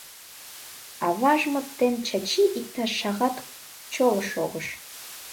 Аважмыт дене Чачи иктаж шагат чоло шогыш.